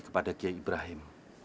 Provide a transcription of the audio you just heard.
kepada kiai ibrahim